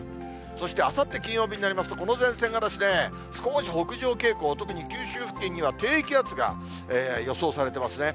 そしてあさって金曜日になりますと、この前線が、少し北上傾向、特に九州付近には低気圧が予想されてますね。